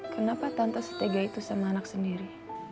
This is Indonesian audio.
kenapa tante setega itu sama anak sendiri